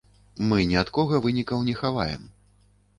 Мы ні ад кога вынікаў не хаваем.